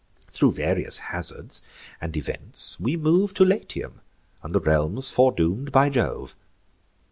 Thro' various hazards and events, we move To Latium and the realms foredoom'd by Jove.